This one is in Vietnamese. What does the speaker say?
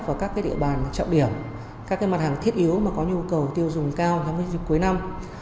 vào các địa bàn trọng điểm các mặt hàng thiết yếu mà có nhu cầu tiêu dùng cao trong dịp cuối năm